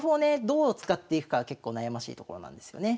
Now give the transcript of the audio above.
どう使っていくかは結構悩ましいところなんですよね。